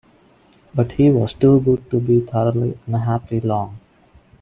But he was too good to be thoroughly unhappy long.